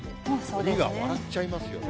鬼が笑っちゃいますよ。